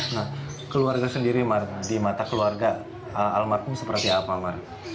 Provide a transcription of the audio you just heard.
nah keluarga sendiri mar di mata keluarga almar pun seperti apa mar